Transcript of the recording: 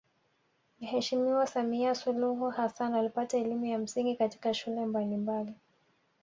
Mheshimiwa Samia Suluhu Hassan alipata elimu ya msingi katika shule mbalimbali